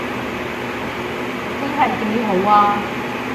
真係幾好啊